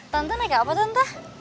tante naik apa tante